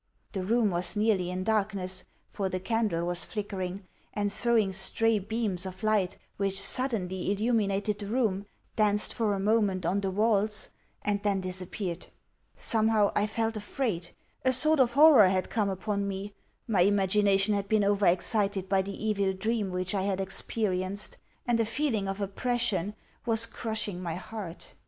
The room was nearly in darkness, for the candle was flickering, and throwing stray beams of light which suddenly illuminated the room, danced for a moment on the walls, and then disappeared. Somehow I felt afraid a sort of horror had come upon me my imagination had been over excited by the evil dream which I had experienced, and a feeling of oppression was crushing my heart....